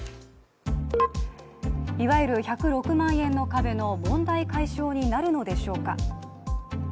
いわゆる１０６万円の壁の問題解消になるのでしょうか。